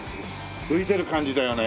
浮いてる感じだよね。